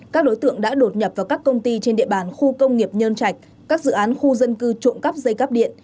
các đối tượng đã đột nhập vào các công ty trên địa bàn khu công nghiệp nhân trạch các dự án khu dân cư trộm cắp dây cắp điện